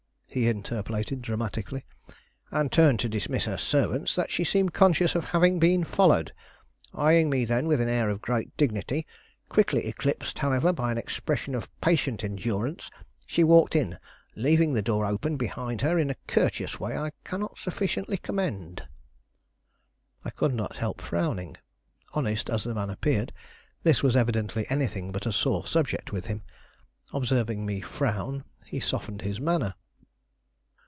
he interpolated dramatically, "and turned to dismiss her servants, that she seemed conscious of having been followed. Eying me then with an air of great dignity, quickly eclipsed, however, by an expression of patient endurance, she walked in, leaving the door open behind her in a courteous way I cannot sufficiently commend." I could not help frowning. Honest as the man appeared, this was evidently anything but a sore subject with him. Observing me frown, he softened his manner.